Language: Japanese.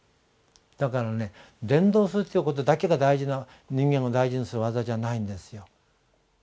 だからね伝道するということだけが人間を大事にする業じゃないんですよ。